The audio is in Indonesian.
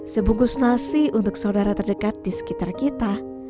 sebungkus nasi untuk saudara terdekat di sekitar kita